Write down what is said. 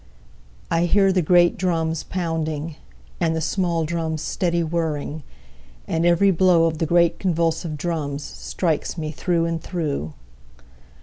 4I hear the great drums pounding, And the small drums steady whirring; And every blow of the great convulsive drums, Strikes me through and through.